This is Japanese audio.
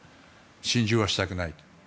心中はしたくないと。